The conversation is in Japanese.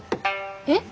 えっ？